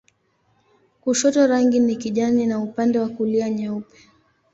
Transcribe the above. Kushoto rangi ni kijani na upande wa kulia nyeupe.